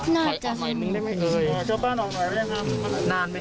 นานเท่าไร